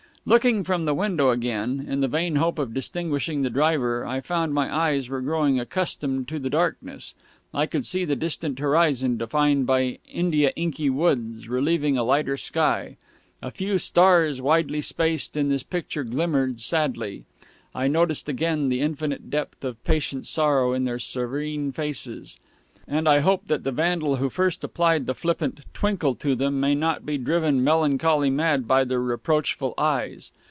Looking from the window again, in the vain hope of distinguishing the driver, I found my eyes were growing accustomed to the darkness. I could see the distant horizon, defined by India inky woods, relieving a lighter sky. A few stars widely spaced in this picture glimmered sadly. I noticed again the infinite depth of patient sorrow in their serene faces; and I hope that the vandal who first applied the flippant "twinkle" to them may not be driven melancholy mad by their reproachful eyes.